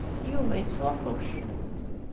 Yuba ittwaquc.